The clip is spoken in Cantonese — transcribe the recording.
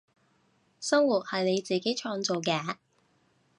生活係你自己創造嘅